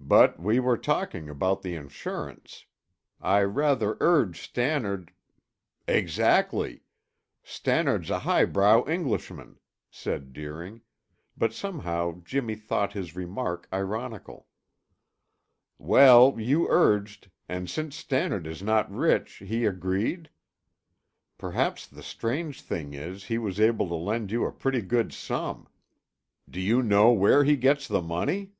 "But we were talking about the insurance. I rather urged Stannard " "Exactly! Stannard's a highbrow Englishman," said Deering, but somehow Jimmy thought his remark ironical. "Well, you urged, and since Stannard is not rich, he agreed? Perhaps the strange thing is, he was able to lend you a pretty good sum. Do you know where he gets the money?"